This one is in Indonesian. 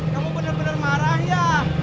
kamu bener bener marah ya